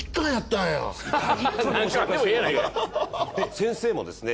先生もですね